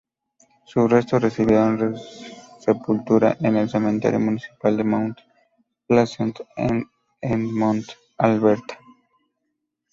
Sus restos recibieron sepultura en el cementerio municipal de Mount Pleasant en Edmonton, Alberta.